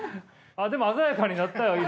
でも鮮やかになったよ色。